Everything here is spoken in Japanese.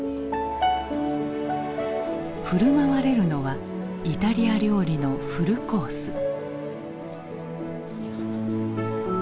振る舞われるのはイタリア料理のフルコース。